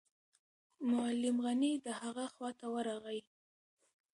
معلم غني د هغه خواته ورغی.